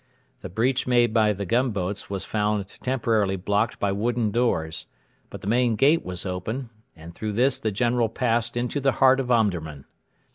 The breach made by the gunboats was found temporarily blocked by wooden doors, but the main gate was open, and through this the General passed into the heart of Omdurman.